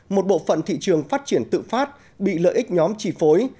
một bộ phận thị trường phát triển tự phát bị lợi ích nhóm chi phối